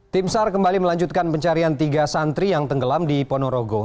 tim sar kembali melanjutkan pencarian tiga santri yang tenggelam di ponorogo